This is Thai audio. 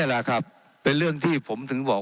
ว่าการกระทรวงบาทไทยนะครับ